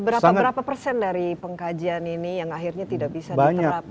berapa berapa persen dari pengkajian ini yang akhirnya tidak bisa diterapkan